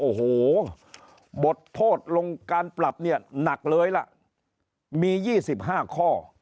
โอ้โหบทโทษลงการปรับเนี่ยหนักเลยล่ะมี๒๕ข้อ